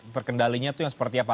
terkendalinya itu seperti apa